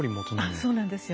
あっそうなんですよ。